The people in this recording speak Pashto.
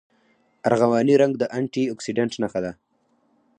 ارغواني رنګ د انټي اکسیډنټ نښه ده.